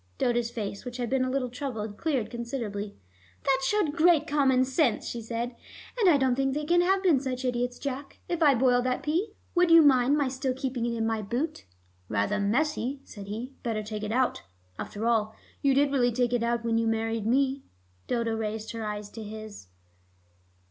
Dodo's face, which had been a little troubled, cleared considerably. "That showed great commonsense," she said. "I don't think they can have been such idiots. Jack, if I boil that pea, would you mind my still keeping it in my boot?" "Rather messy," said he. "Better take it out. After all, you did really take it out when you married me." Dodo raised her eyes to his.